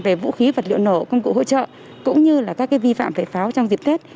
về vũ khí vật liệu nổ công cụ hỗ trợ cũng như là các vi phạm về pháo trong dịp tết